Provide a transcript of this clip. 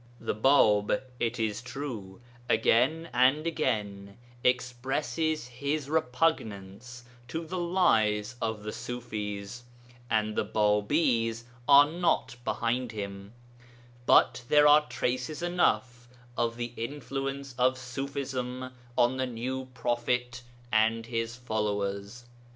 The Bāb, it is true, again and again expresses his repugnance to the 'lies' of the Ṣufis, and the Bābīs are not behind him; but there are traces enough of the influence of Ṣufism on the new Prophet and his followers.